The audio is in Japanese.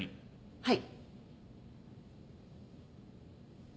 はい